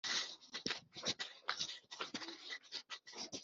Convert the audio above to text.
Abanyeshuri twese tumaze kumva inama za muganga